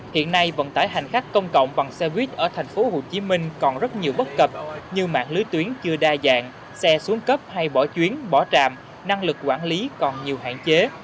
hiện nay vận tải hành khách công cộng bằng xe buýt ở thành phố hồ chí minh còn rất nhiều bất cập như mạng lưới tuyến chưa đa dạng xe xuống cấp hay bỏ chuyến bỏ tràm năng lực quản lý còn nhiều hạn chế